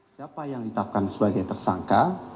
siapa yang ditapkan sebagai tersangka